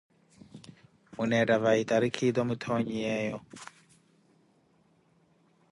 Mwinettha vai, tariki ettho mwitthonyiyeeyo?